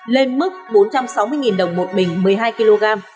lên mức bốn trăm sáu mươi đồng một bình một mươi hai kg